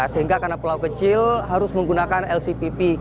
sehingga karena pulau kecil harus menggunakan lcpp